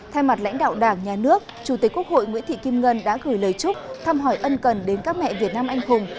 thay mặt lãnh đạo đảng nhà nước chủ tịch quốc hội nguyễn thị kim ngân đã gửi lời chúc thăm hỏi ân cần đến các mẹ việt nam anh hùng